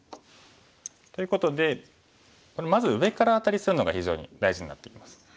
ということでこれまず上からアタリするのが非常に大事になってきます。